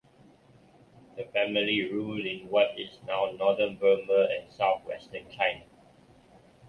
The family ruled in what is now northern Burma and southwestern China.